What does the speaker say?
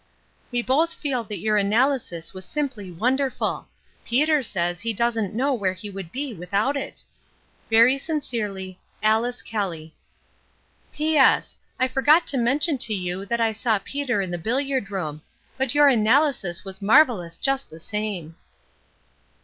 "We both feel that your analysis was simply wonderful. Peter says he doesn't know where he would be without it. "Very sincerely, "Alice Kelly. "P.S. I forgot to mention to you that I saw Peter in the billiard room. But your analysis was marvellous just the same."